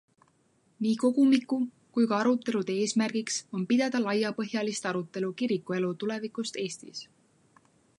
Nii kogumiku kui ka arutelude eesmärgiks on pidada laiapõhjalist arutelu kirikuelu tulevikust Eestis.